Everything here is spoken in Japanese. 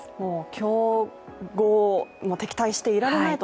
競合、敵対していられないと。